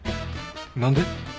何で？